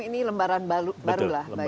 ini lembaran baru lah bagi saranajaya